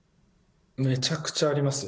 めちゃくちゃありますよ。